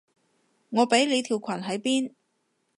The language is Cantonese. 我畀你條裙喺邊？